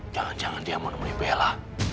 jangan jangan dia menemani bella